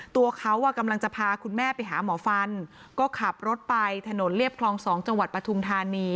ตัวเขากำลังจะพาคุณแม่ไปหาหมอฟันก็ขับรถไปถนนเรียบคลอง๒จังหวัดปฐุมธานี